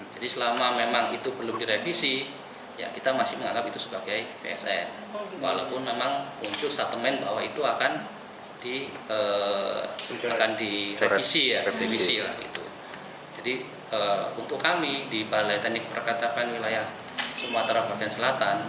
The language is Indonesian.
jadi untuk kami di balai teknik perkereta apian wilayah sumatera bagian selatan